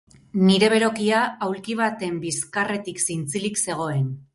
Nire berokia aulki baten bizkarretik zintzilik zegoen.